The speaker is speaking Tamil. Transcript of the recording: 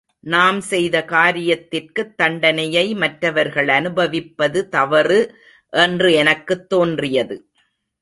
நாம் செய்த காரியத்திற்குத் தண்டனையை மற்றவர்கள் அனுபவிப்பது தவறு என்று எனக்குத் தோன்றியது.